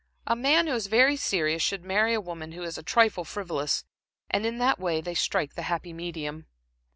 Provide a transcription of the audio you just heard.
A man who is very serious should marry a woman who is a trifle frivolous, and in that way they strike the happy medium."